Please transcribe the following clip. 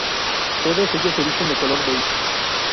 Todos ellos visten de color beige.